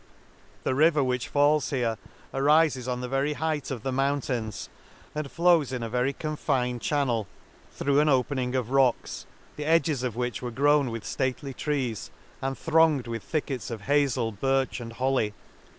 — The river which falls here arifes on the very height of the mountains, and flows in a very confined channel through an open ing of rocks, the edges of which were Y 2 grown 17a An Excursion u grown with (lately trees, and thronged with thickets of hazel, birch, and holiey.